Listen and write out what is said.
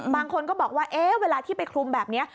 บางคนก็บอกว่าเวลาที่ไปคลุมแบบนี้